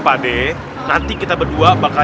pade nanti kita berdua bakal